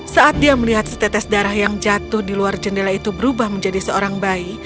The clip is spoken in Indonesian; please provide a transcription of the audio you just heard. saat dia melihat setetes darah yang jatuh di luar jendela itu berubah menjadi seorang bayi